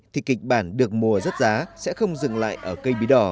thì kịch bản được mua rất giá sẽ không dừng lại ở cây bí đỏ